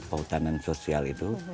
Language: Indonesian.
pahutanan sosial itu